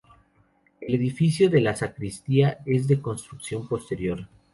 El edificio de la sacristía es de construcción posterior.